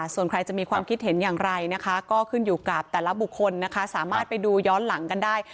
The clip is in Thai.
ส่วนใครจะมีความคิดเห็นอย่างไรนะคะก็ขึ้นอยู่กับแต่ละบุคคลนะคะสามารถไปดูย้อนหลังกันได้